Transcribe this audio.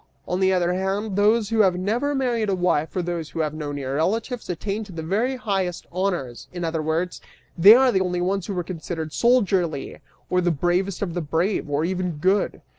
On the other hand, those who have never married a wife, or those who have no near relatives, attain to the very highest honors; in other words, they are the only ones who are considered soldierly, or the bravest of the brave, or even good.